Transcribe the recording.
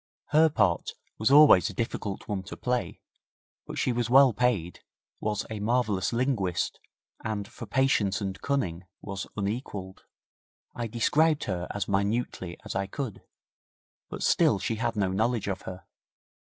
Her part was always a difficult one to play, but she was well paid, was a marvellous linguist, and for patience and cunning was unequalled. I described her as minutely as I could, but still she had no knowledge of her.